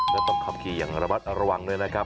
ต้องขับขี่อย่างระมัดระวังด้วยนะครับ